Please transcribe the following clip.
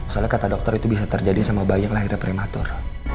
soalnya kata dokter itu bisa terjadi sama bayi yang lahirnya prematur